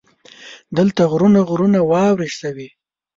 دلته غرونه غرونه واورې شوي.